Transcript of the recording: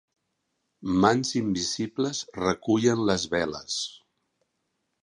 Mans invisibles recullen les veles.